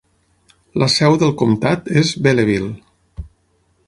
La seu del comtat és Belleville.